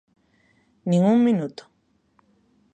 Nin un minuto.